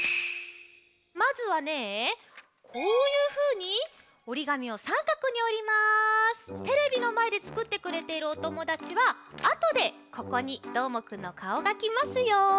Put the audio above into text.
まずはねこういうふうにテレビのまえでつくってくれているおともだちはあとでここにどーもくんのかおがきますよ。